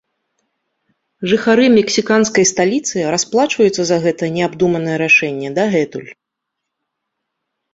Жыхары мексіканскай сталіцы расплачваюцца за гэта неабдуманае рашэнне дагэтуль.